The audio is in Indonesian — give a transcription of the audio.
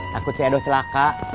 takut cedoh celaka